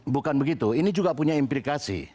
bukan begitu ini juga punya implikasi